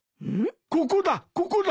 ・ここだここだ！